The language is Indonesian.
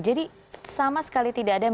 jadi sama sekali tidak ada